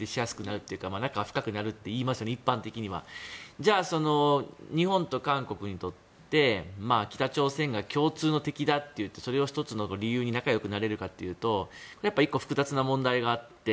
じゃあ、日本と韓国にとって北朝鮮が共通の敵だといってそれを１つの理由に仲よくなれるかというと１個複雑な問題があって。